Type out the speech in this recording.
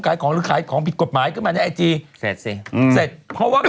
ขายของหรือขายของผิดกฎหมายขึ้นมาในไอจีเสร็จสิอืมเสร็จเพราะว่า